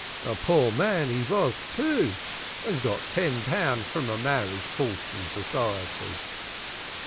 A poor man he vas, too, and got ten pun from a marriage portion society."